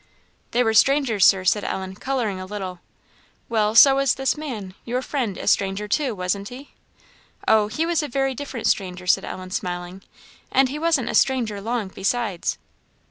"They were strangers, Sir," said Ellen, colouring a little. "Well, so was this man your friend a stranger, too, wasn't he?" "Oh, he was a very different stranger," said Ellen, smiling, "and he wasn't a stranger long, besides."